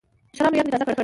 د مشرانو یاد یې تازه کړ.